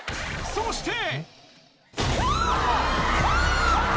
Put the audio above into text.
そして。